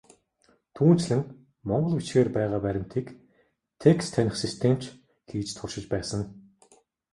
Түүнчлэн, монгол бичгээр байгаа баримтыг текст таних систем ч хийж туршиж байсан.